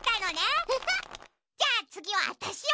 じゃあつぎはわたしよ！